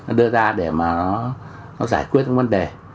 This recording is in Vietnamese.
nó đưa ra để mà nó giải quyết những vấn đề